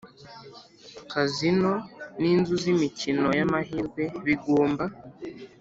Kazino n inzu z imikino y amahirwe bigomba